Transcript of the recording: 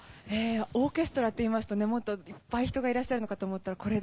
オーケストラっていいますともっといっぱい人がいらっしゃるのかと思ったらこれだけ。